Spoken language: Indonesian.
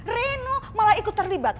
reno malah ikut terlibat